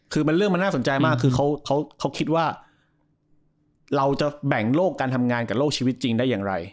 คือเรื่องมันน่าสนใจมากคือเขาคิดว่าเราจะแบ่งโลกการทำงานกับโลกชีวิตจริงได้อย่างไร